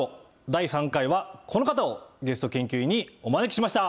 第３回はこの方をゲスト研究員にお招きしました。